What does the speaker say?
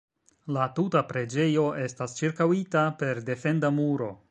La tuta preĝejo estas ĉirkaŭita per defenda muro.